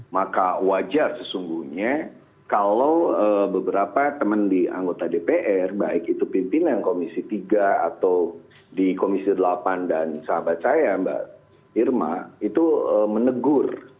maka wajar sesungguhnya kalau beberapa teman di anggota dpr baik itu pimpinan komisi tiga atau di komisi delapan dan sahabat saya mbak irma itu menegur